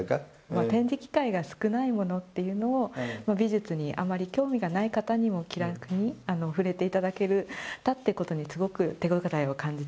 展示機会が少ないものっていうのを美術にあまり興味がない方にも気楽に触れて頂けたってことにすごく手応えを感じてます。